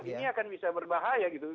ini akan bisa berbahaya